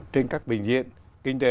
trên các bình diện kinh doanh